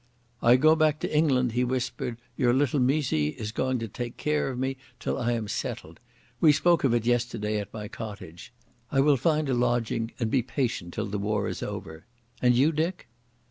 "I go back to England," he whispered. "Your little mysie is going to take care of me till I am settled. We spoke of it yesterday at my cottage. I will find a lodging and be patient till the war is over. And you, Dick?"